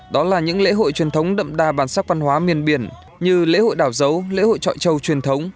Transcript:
đó là những lễ hội truyền thống đậm đà bản sắc văn hóa miền biển như lễ hội đảo dấu lễ hội trọi trâu truyền thống